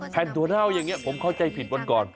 แฟนถั่วเน่าแบบเนี้ยผมเข้าใจผิดวันก่อน